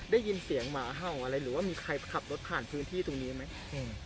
ได้ยินเสียงหมาเห่าอะไรหรือว่ามีใครขับรถผ่านพื้นที่ตรงนี้ไหมอืม